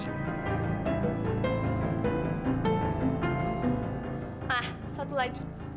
nah satu lagi